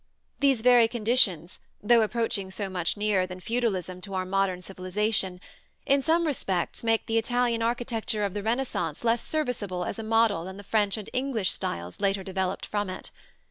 These very conditions, though approaching so much nearer than feudalism to our modern civilization, in some respects make the Italian architecture of the Renaissance less serviceable as a model than the French and English styles later developed from it.